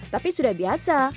tapi sudah biasa